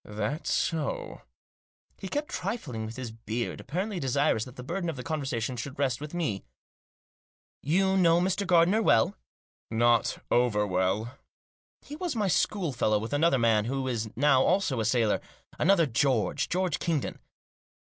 " That so?" He kept trifling with his beard, apparently desirous that the burden of the conversation should rest with me. " You know Mr. Gardiner well ?"" Not over well." " He was my schoolfellow, with another man who is now also a sailor — another George ; George Kingdon."